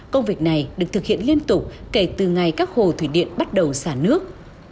công việc này được thực hiện liên tục kể từ ngày các hồ thủy điện bắt đầu xả nước